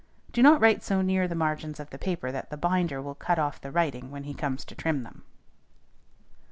Do not write so near the margins of the paper that the binder will cut off the writing when he comes to trim them.